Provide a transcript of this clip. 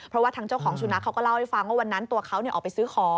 เพราะว่าทางเจ้าของสุนัขเขาก็เล่าให้ฟังว่าวันนั้นตัวเขาออกไปซื้อของ